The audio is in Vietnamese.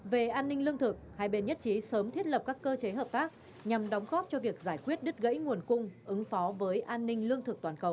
về an ninh lương thực hai bên nhất trí sớm thiết lập các cơ chế hợp tác nhằm đóng góp cho việc giải quyết đứt gãy nguồn cung ứng phó với an ninh lương thực toàn cầu